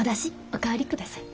お代わりください。